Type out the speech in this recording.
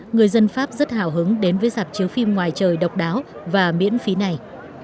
người dân pháp rất hào hứng đến với giạp chiếu phim ngoài trời độc đáo và miễn phí này